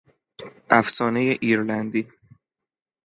افسانهی ایرلندی